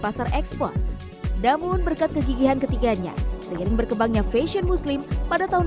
pasar ekspor namun berkat kegigihan ketiganya seiring berkembangnya fashion muslim pada tahun